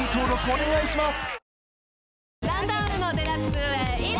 お願いします